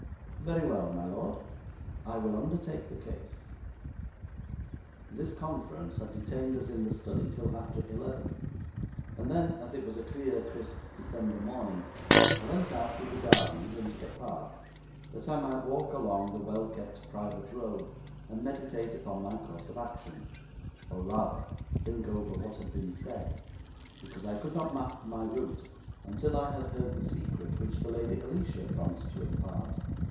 'Very well, my lord, I will undertake the case.' This conference had detained us in the study till after eleven, and then, as it was a clear, crisp December morning, I went out through the gardens into the park, that I might walk along the well kept private road and meditate upon my course of action, or, rather, think over what had been said, because I could not map my route until I had heard the secret which the Lady Alicia promised to impart.